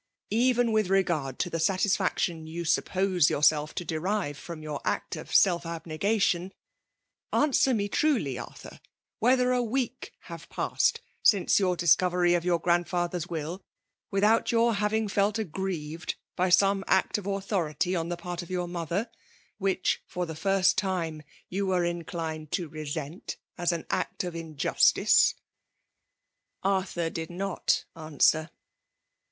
Even with regard to the satis&c* tion you suppose yourself to derive from your act of self abnegation, answer me truly, Arthur, whether a week have passed since your dis covery of your grandfather s will, without your having felt aggrieved by some act of authority WKMALBi DQMIKATIOK. MS <m. thfli part of your moOoier, which, for the fijvt Umo^ jDQ wete incUaed to resent m an act of k^atiee V* Arthur did not answer.